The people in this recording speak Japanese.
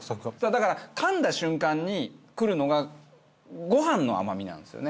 だからかんだ瞬間にくるのがご飯の甘みなんですよね。